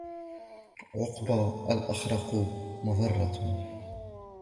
عُقْبَى الْأَخْرَقِ مَضَرَّةٌ